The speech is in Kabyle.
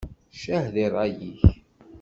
Ccah di ṛṛay-ik!